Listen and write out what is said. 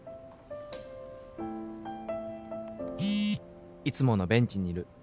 「いつものベンチにいる」